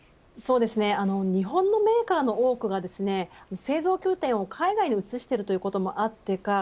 日本のメーカーの多くが製造拠点を海外に移しているということもあってか